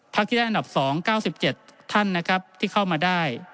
ที่ได้อันดับ๒๙๗ท่านนะครับที่เข้ามาได้